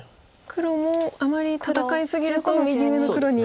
黒もあまり戦い過ぎると右上の黒に。